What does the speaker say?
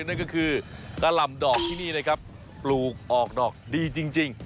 นั่นก็คือกะหล่ำดอกที่นี่นะครับปลูกออกดอกดีจริง